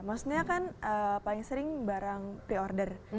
maksudnya kan paling sering barang pre order